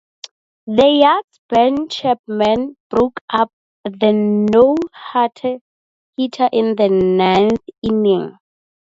The Yanks' Ben Chapman broke up the no-hitter in the ninth inning.